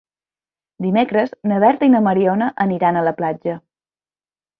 Dimecres na Berta i na Mariona aniran a la platja.